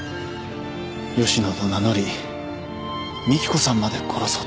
吉野と名乗り三喜子さんまで殺そうとした。